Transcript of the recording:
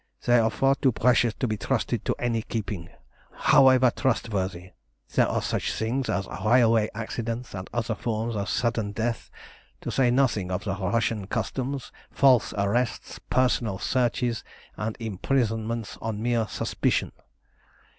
They are far too precious to be trusted to any keeping, however trustworthy. There are such things as railway accidents, and other forms of sudden death, to say nothing of the Russian customs, false arrests, personal searches, and imprisonments on mere suspicion.